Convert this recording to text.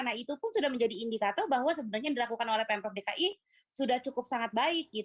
nah itu pun sudah menjadi indikator bahwa sebenarnya yang dilakukan oleh pemprov dki sudah cukup sangat baik